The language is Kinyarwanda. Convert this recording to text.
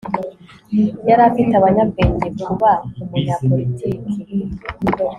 yari afite abanyabwenge kuba umunyapolitiki